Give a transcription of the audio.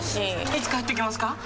いつ帰ってきますか？